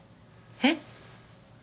えっ？